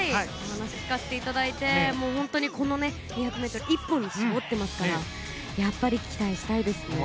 お話を聞かせていただいてこの２００ｍ一本に絞っていますからやっぱり期待したいですね。